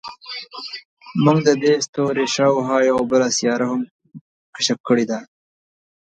موږ د دې ستوري شاوخوا یوه بله سیاره هم کشف کړې ده.